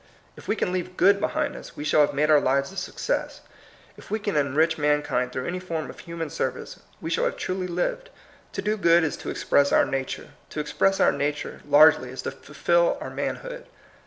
If we can leave good behind us, we shall have made our lives a success ; if we can enrich mankind through any form of human service, we shall have truly lived. To do good is to express our nature. To express our nature largely is to fulfil our manhood.